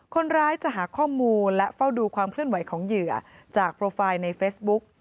คนร้ายจะหาข้อมูลและเฝ้าดูความเคลื่อนไหวของเหยื่อจากโปรไฟล์ในเฟซบุ๊ก